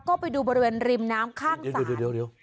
ก็ไปดูบริเวณริมน้ำข้างสาร